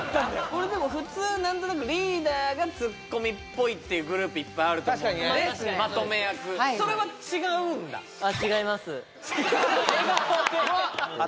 これでも普通何となくリーダーがツッコミっぽいっていうグループいっぱいあると思うんだよね